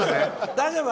大丈夫。